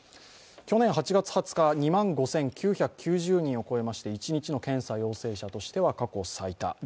去年８月２０日、２万５９９０人を超えまして１日の検査陽性者としては過去最多。